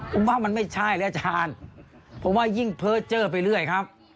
คุณบอกมันไม่ใช่เลยอาจารย์เพราะว่ายิ่งเพ้อเจอไปเรื่อยครับ